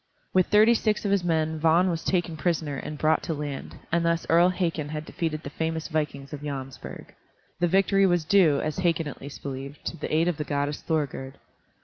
With thirty six of his men Vagn was taken prisoner and brought to land, and thus Earl Hakon had defeated the famous vikings of Jomsburg. The victory was due, as Hakon at least believed, to the aid of the goddess Thorgerd.